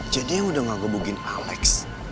jadi yang udah ngagobugin alex